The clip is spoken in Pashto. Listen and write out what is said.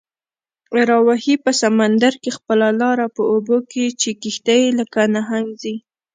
راوهي په سمندر کې خپله لاره، په اوبو کې یې کشتۍ لکه نهنګ ځي